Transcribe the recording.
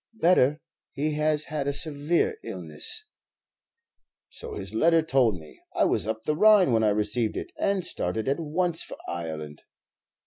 "Better; he has had a severe illness." "So his letter told me. I was up the Rhine when I received it, and started at once for Ireland."